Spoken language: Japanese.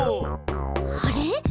あれ？